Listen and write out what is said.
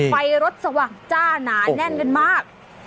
ไฟรถสว่างจ้าหนาแน่นกันมาก